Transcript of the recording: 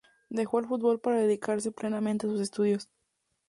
Dejó el fútbol para dedicarse plenamente a sus estudios.